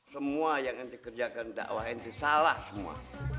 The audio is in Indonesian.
semua yang dikerjakan di dakwah ini salah semua